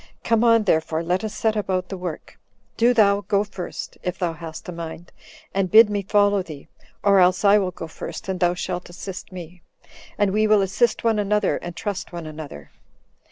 Come on, therefore, let us set about the work. Do thou go first, if thou hast a mind, and bid me follow thee; or else I will go first, and thou shalt assist me, and we will assist one another, and trust one another.